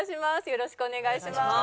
よろしくお願いします。